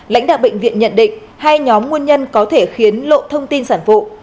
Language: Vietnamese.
lãnh đạo bệnh viện nhận định hai nhóm nguồn nhân có thể khiến lộ thông tin sản phụ